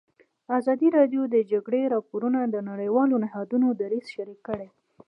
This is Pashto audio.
ازادي راډیو د د جګړې راپورونه د نړیوالو نهادونو دریځ شریک کړی.